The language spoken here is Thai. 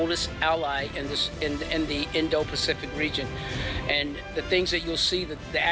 มีสีวิธีละเอียดขับที่สาดขึ้น